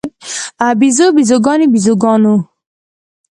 بیزو، بیزوګانې، بیزوګانو